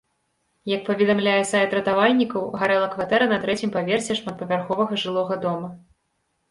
Як паведамляе сайт ратавальнікаў, гарэла кватэра на трэцім паверсе шматпавярховага жылога дома.